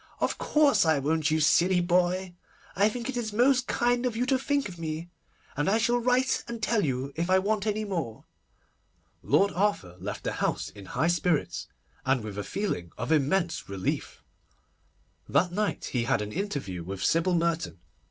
'Of course I won't, you silly boy. I think it is most kind of you to think of me, and I shall write and tell you if I want any more.' Lord Arthur left the house in high spirits, and with a feeling of immense relief. That night he had an interview with Sybil Merton.